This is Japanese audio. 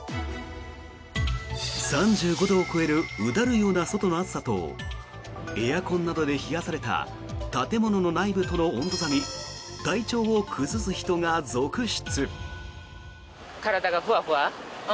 ３５度を超えるうだるような外の暑さとエアコンなどで冷やされた建物の内部との温度差に体調を崩す人が続出。